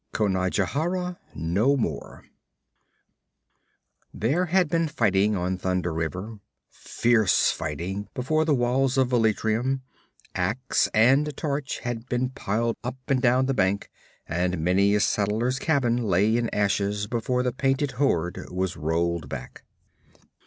8 Conajohara No More There had been fighting on Thunder River; fierce fighting before the walls of Velitrium; ax and torch had been piled up and down the bank, and many a settler's cabin lay in ashes before the painted horde was rolled back.